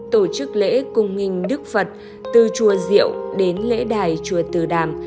tổ chức lễ cung nghênh đức phật từ chùa diệu đến lễ đài chùa từ đàm